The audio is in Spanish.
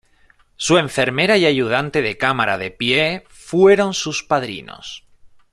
Su enfermera y ayudante de cámara de pie fueron sus padrinos.